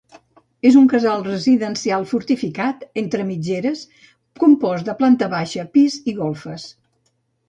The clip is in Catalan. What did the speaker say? És un casal residencial fortificat, entre mitgeres, compost de planta baixa, pis i golfes.